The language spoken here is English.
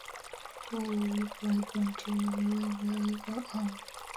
Alo was born to Levi and Andrea Alo.